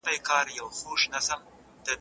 دوه او درې ځایه